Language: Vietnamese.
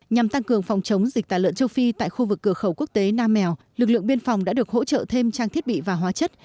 nhằm tăng cường phòng chống dịch tả lợn châu phi tại khu vực cửa khẩu quốc tế nam mèo lực lượng biên phòng đã được hỗ trợ thêm trang thiết bị và hóa chất